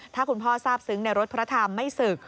ถ้าคุณพ่อทราบซึ้งในรถพระธรรมไม่ศึก